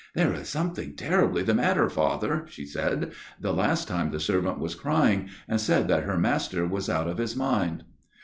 "' There is something terribly the matter, Father,' she said ;* the last time the servant was crying, and said that her master was out of his mind.'